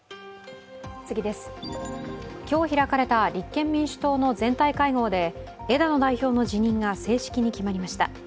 今日開かれた立憲民主党の全体会合で、枝野代表の辞任が正式に決まりました。